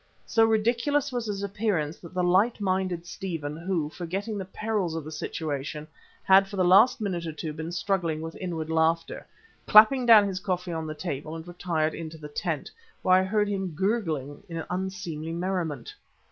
So ridiculous was his appearance that the light minded Stephen, who, forgetting the perils of the situation, had for the last minute or two been struggling with inward laughter, clapped down his coffee on the table and retired into the tent, where I heard him gurgling in unseemly merriment.